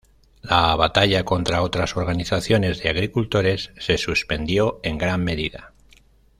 La batalla contra otras organizaciones de agricultores se suspendió en gran medida.